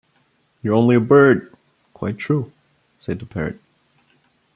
“You’re only a bird!” “Quite true,” said the parrot.